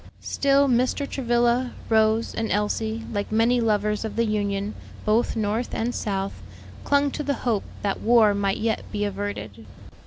Still Mr. Travilla, Rose, and Elsie, like many lovers of the Union, both North and South, clung to the hope that war might yet be averted.